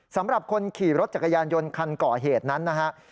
สำหรับคนขี่รถจักรยานยนต์คันก่อเหตุนั้นนะฮะ